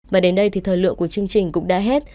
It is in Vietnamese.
và đến đây thì thời lượng của chương trình cũng đã hết